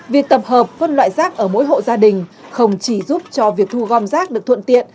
việc tập hợp phân loại rác ở mỗi hộ gia đình không chỉ giúp cho việc thu gom rác được thuận tiện